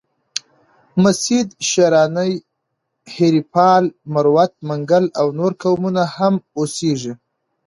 مسید، شیراني، هیریپال، مروت، منگل او نور قومونه هم اوسیږي.